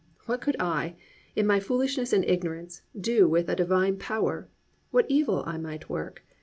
What could I, in my foolishness and ignorance, do with a divine power, what evil I might work!